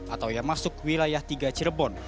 atau yang masuk wilayah tiga cirebon